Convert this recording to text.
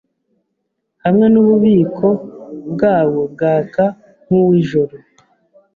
hamwe nububiko bwawo bwaka nkuwijoro